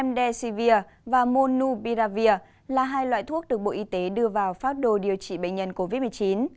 molnupiravir là hai loại thuốc được bộ y tế đưa vào pháp đồ điều trị bệnh nhân covid một mươi chín